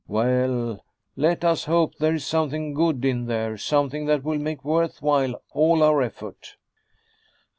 Well, let us hope there is something good in there, something that will make worth while all our effort."